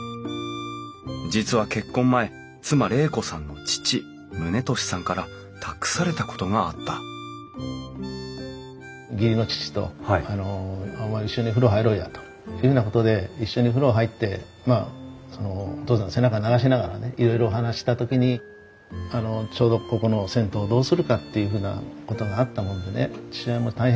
実は結婚前妻玲子さんの父宗利さんから託されたことがあったというようなことで一緒に風呂入ってまあお義父さんの背中流しながらねいろいろお話した時にちょうどここの銭湯をどうするかっていうふうなことがあったものでね。